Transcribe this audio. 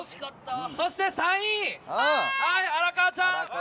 そして３位、荒川ちゃん。